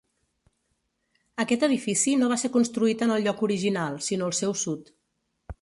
Aquest edifici no va ser construït en el lloc original, sinó al seu sud.